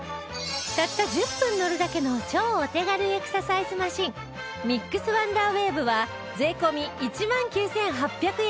たった１０分乗るだけの超お手軽エクササイズマシンミックスワンダーウェーブは税込１万９８００円